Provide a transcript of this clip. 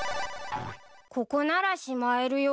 ここならしまえるよ。